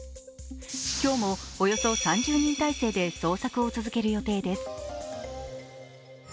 今日もおよそ３０人態勢で捜索を続ける予定です。